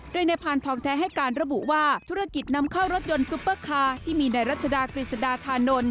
โดยนายพานทองแท้ให้การระบุว่าธุรกิจนำเข้ารถยนต์ซุปเปอร์คาร์ที่มีในรัชดากฤษดาธานนท์